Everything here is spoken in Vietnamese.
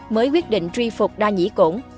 mới quyết định truy phục đa nhĩ cổn